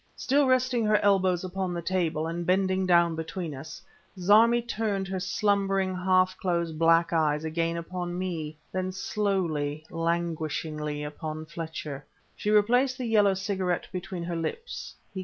Still resting her elbows upon the table and bending down between us, Zarmi turned her slumbering, half closed black eyes again upon me, then slowly, languishingly, upon Fletcher. She replaced the yellow cigarette between her lips.